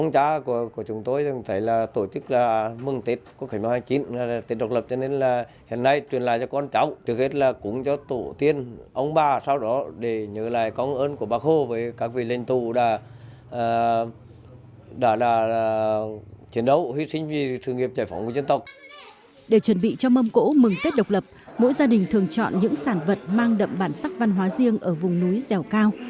để chuẩn bị cho mâm cỗ mừng tết độc lập mỗi gia đình thường chọn những sản vật mang đậm bản sắc văn hóa riêng ở vùng núi dẻo cao